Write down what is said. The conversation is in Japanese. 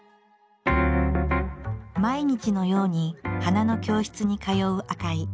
毎日のように花の教室に通う赤井。